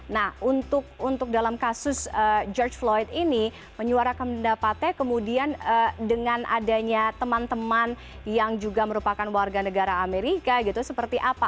nah untuk dalam kasus george floyd ini menyuarakan pendapatnya kemudian dengan adanya teman teman yang juga merupakan warga negara amerika gitu seperti apa